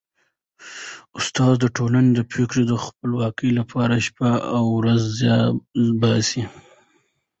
استاد د ټولني د فکري خپلواکۍ لپاره شپه او ورځ زیار باسي.